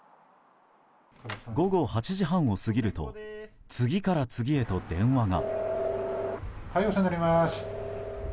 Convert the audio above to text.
午後８時半を過ぎると次から次へと電話が。